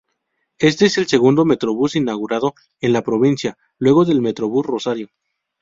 Este es el segundo Metrobús inaugurado en la provincia, luego del Metrobús Rosario.